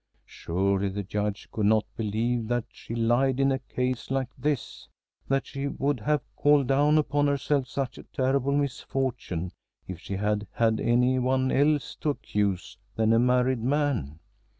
Surely the Judge could not believe that she lied in a case like this; that she would have called down upon herself such a terrible misfortune if she had had any one else to accuse than a married man.